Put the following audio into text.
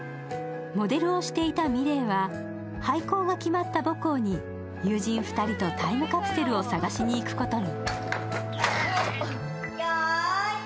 モデルをしていた美玲は廃校が決まった母校に友人２人とタイムカプセルを探しにいくことに。